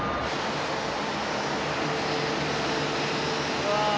うわ。